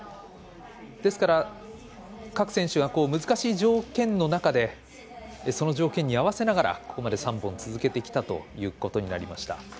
ですから各選手は難しい条件の中でその条件に合わせながらここまで３本続けてきたということになりました。